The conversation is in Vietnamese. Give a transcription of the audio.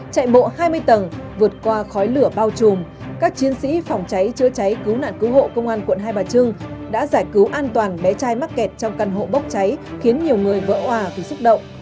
chạy bộ hai mươi tầng vượt qua khói lửa bao trùm các chiến sĩ phòng cháy chữa cháy cứu nạn cứu hộ công an quận hai bà trưng đã giải cứu an toàn bé trai mắc kẹt trong căn hộ bốc cháy khiến nhiều người vỡ hòa vì xúc động